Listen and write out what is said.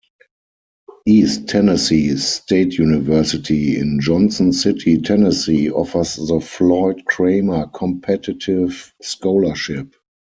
East Tennessee State University, in Johnson City, Tennessee, offers the Floyd Cramer Competitive Scholarship.